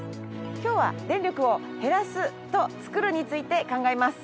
今日は電力を「へらす」と「つくる」について考えます。